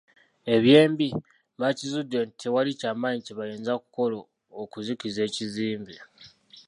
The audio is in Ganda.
Eby'embi, baakizudde nti tewali kyamaanyi kye bayinza kukola okuzikiza ekizimbe.